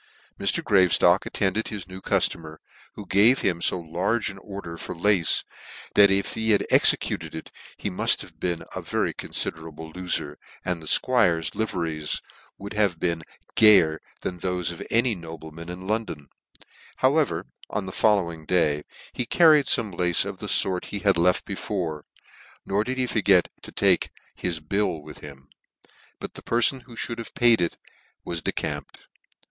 Mr. Graveftock attended his new customer, who gave him fo large an order for lace, that if he had executed it, he muft have been a very confiderable lofer, and the 'Squire's liveries would have been gayer than thofe of any nobleman in London : however, on the following day, he carried fome lace of the fort he had left before ; nor did he forget to take his bill with him ; but the perfon who mould have paid it was decamped.